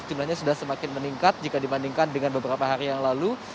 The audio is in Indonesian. jumlahnya sudah semakin meningkat jika dibandingkan dengan beberapa hari yang lalu